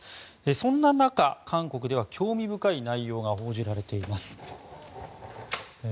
そんな中、韓国では興味深い内容が報じられています。